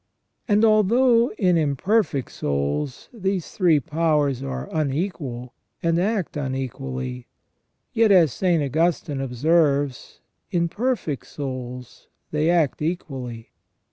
And although in imperfect souls these three powers are unequal, and act unequally, yet, as St. Augustine ob serves, in perfect souls they act equally.